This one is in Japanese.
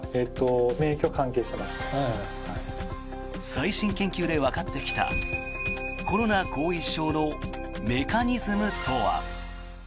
最新研究でわかってきたコロナ後遺症のメカニズムとは。